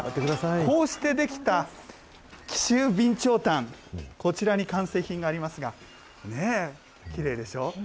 こうして出来た紀州備長炭、こちらに完成品がありますが、きれいでしょう？